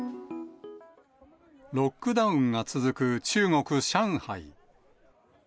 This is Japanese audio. ロックダウンが続く中国・上海。